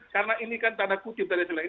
karena ini kan tanda kutip tadi